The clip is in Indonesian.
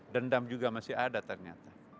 dendam juga masih ada ternyata